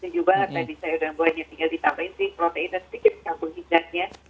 juga ada di sayur dan buahnya tinggal ditambahin si protein dan sedikit karbohidratnya